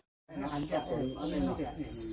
กลับมาอีกแล้วนะได้ยังไง